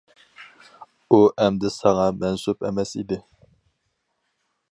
ئۇ ئەمدى ماڭا مەنسۇپ ئەمەس ئىدى.